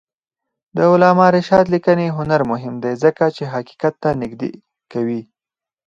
د علامه رشاد لیکنی هنر مهم دی ځکه چې حقیقت ته نږدې کوي.